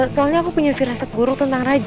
soalnya aku punya firasat buruk tentang raja